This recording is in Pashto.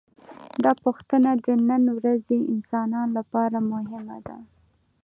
دا پوښتنه د نن ورځې انسانانو لپاره مهمه ده.